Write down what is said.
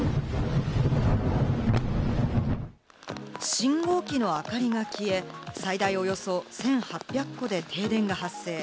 信号機の明かりが消え、最大およそ１８００戸で停電が発生。